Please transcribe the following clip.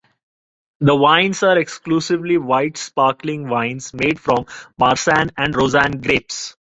The wines are exclusively white sparkling wines, made from the Marsanne and Roussanne grapes.